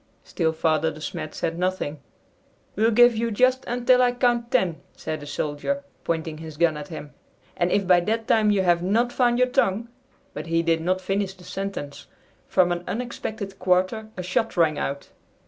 Still Father De Smet said nothing. "We'll give you just until I count ten," said the soldier, pointing his gun at him, "and if by that time you have not found your tongue " But he did not finish the sentence. From an unexpected quarter a shot rang out.